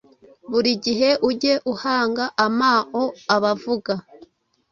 Buri gihe ujye uhanga amao abavuga